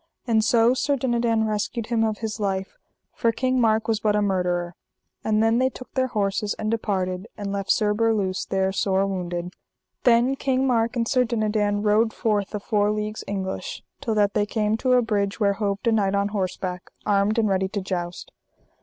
And so Sir Dinadan rescued him of his life, for King Mark was but a murderer. And then they took their horses and departed and left Sir Berluse there sore wounded. Then King Mark and Sir Dinadan rode forth a four leagues English, till that they came to a bridge where hoved a knight on horseback, armed and ready to joust.